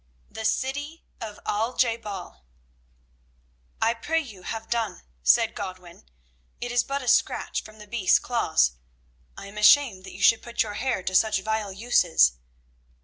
The City of Al Je Bal "I pray you have done," said Godwin, "it is but a scratch from the beast's claws. I am ashamed that you should put your hair to such vile uses.